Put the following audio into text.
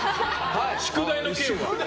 宿題の件？